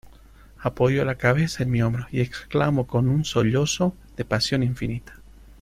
apoyó la cabeza en mi hombro, y exclamó con un sollozo de pasión infinita: